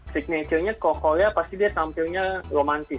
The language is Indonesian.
signature nya kalau korea pasti dia tampilnya romantic